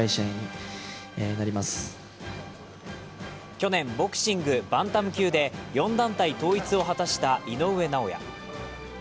去年、ボクシング・バンタム級で４団体統一を果たした井上尚弥。